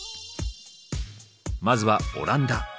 まずはオランダ。